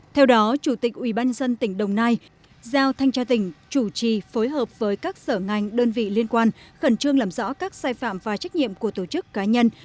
theo đó chủ tịch ubnd tỉnh đồng nai giao thanh tra tỉnh chủ trì phối hợp với các sở ngành đơn vị liên quan khẩn trương làm rõ các sai phạm và trách nhiệm của tổ chức cá nhân